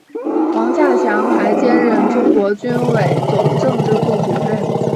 王稼祥还兼任中革军委总政治部主任。